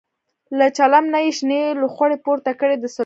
له چلم نه یې شنې لوخړې پورته کړې د څکلو.